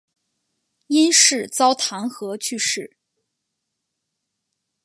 因事遭弹劾去世。